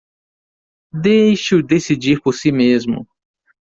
Deixe-o decidir por si mesmo